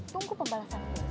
tunggu pembalasan gue